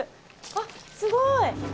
あっすごい！